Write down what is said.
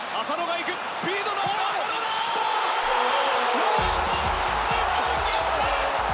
日本逆転！